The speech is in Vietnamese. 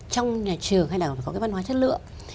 trong nhà trường hay là có cái văn hóa chất lượng